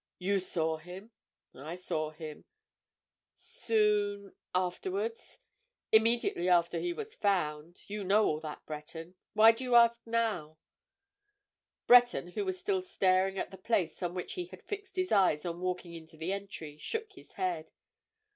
"You saw him?" "I saw him." "Soon—afterwards?" "Immediately after he was found. You know all that, Breton. Why do you ask now?" Breton, who was still staring at the place on which he had fixed his eyes on walking into the entry, shook his head.